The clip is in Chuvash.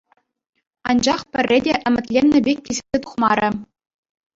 Анчах пӗрре те ӗмӗтленнӗ пек килсе тухмарӗ.